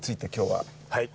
はい。